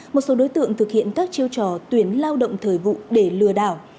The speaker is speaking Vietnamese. một số đối tượng thực hiện các chiêu trò tuyển lao động thời vụ để lừa đảo